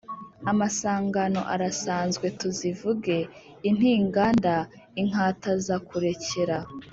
Amasangano arasanzwe, tuzivuge intigandaInkatazakurekera